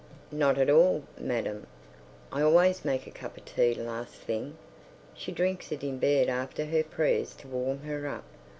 ... Not at all, madam. I always make a cup of tea last thing. She drinks it in bed after her prayers to warm her up.